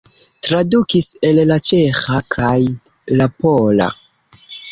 Tradukis el la ĉeĥa kaj la pola.